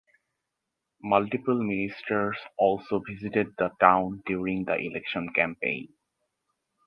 Multiple ministers also visited the town during the election campaign.